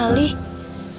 tuh lihat ada is